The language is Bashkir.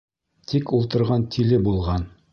Тик ултырған тиле булған.